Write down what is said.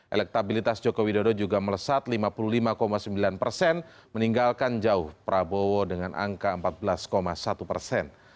elektabilitas joko widodo juga melesat lima puluh lima sembilan persen meninggalkan jauh prabowo dengan angka empat belas satu persen